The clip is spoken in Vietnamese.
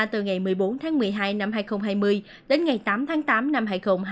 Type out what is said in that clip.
từ ngày một mươi bốn tháng một mươi hai năm hai nghìn hai mươi đến ngày tám tháng tám năm hai nghìn hai mươi